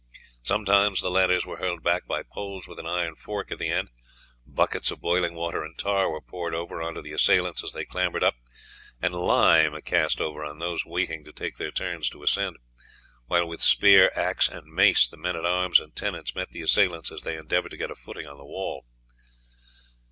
Sometimes the ladders were hurled back by poles with an iron fork at the end; buckets of boiling water and tar were poured over on to the assailants as they clambered up, and lime cast over on those waiting to take their turns to ascend; while with spear, axe, and mace the men at arms and tenants met the assailants as they endeavoured to get a footing on the wall.